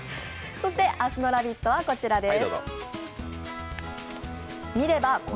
そして明日の「ラヴィット！」はこちらです。